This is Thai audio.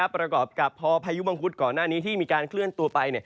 ประกอบกับพอพายุมังคุดก่อนหน้านี้ที่มีการเคลื่อนตัวไป